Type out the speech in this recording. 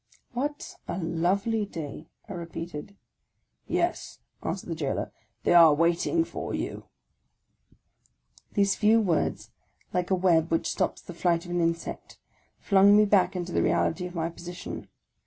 " What a lovely day !" I repeated. " Yes," answered the jailor; " they are waiting for you" These few words, like a' web which stops the flight of an insect, flung me back into the reality of my position.